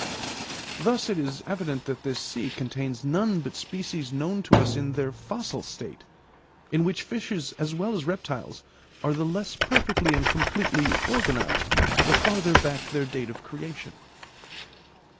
Thus it is evident that this sea contains none but species known to us in their fossil state, in which fishes as well as reptiles are the less perfectly and completely organised the farther back their date of creation.